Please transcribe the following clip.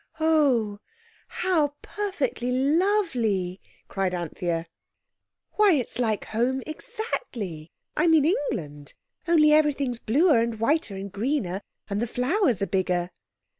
"Oh, how perfectly lovely!" cried Anthea. "Why, it's like home exactly—I mean England—only everything's bluer, and whiter, and greener, and the flowers are bigger."